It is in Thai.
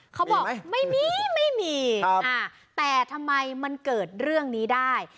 เขาบอกไม่มีไม่มีแต่ทำไมมันเกิดเรื่องนี้ได้